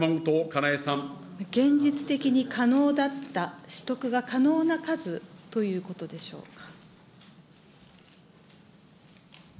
現実的に可能だった、取得が可能な数ということでしょうか。